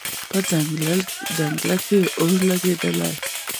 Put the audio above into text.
په ځنګل کې اور لګېدلی دی